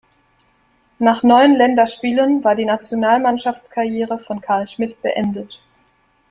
Nach neun Länderspielen war die Nationalmannschaftskarriere von Karl Schmidt beendet.